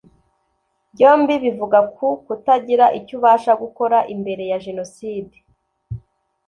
byombi bivuga ku kutagira icyo ubasha gukora imbere ya Jenoside